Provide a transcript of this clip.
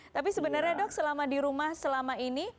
tapi sebenarnya dok selama di rumah selama ini